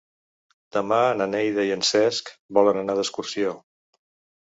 Demà na Neida i en Cesc volen anar d'excursió.